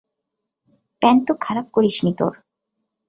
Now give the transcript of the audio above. Pant তো খারাপ করিসনি তোর।